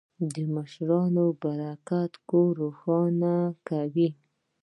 د مشرانو برکت کور روښانه کوي.